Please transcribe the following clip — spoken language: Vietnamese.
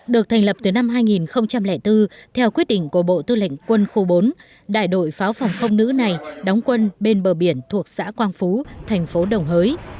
được thành lập từ năm hai nghìn bốn theo quyết định của bộ tư lệnh quân khu bốn đại đội pháo phòng không nữ này đóng quân bên bờ biển thuộc xã quang phú thành phố đồng hới